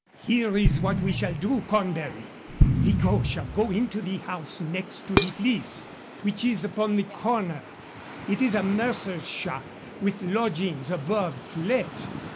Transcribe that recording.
"Here is what we shall do, Cornbury: Vigot shall go into the house next to the Fleece, which is upon the corner. It is a mercer's shop, with lodgings above, to let.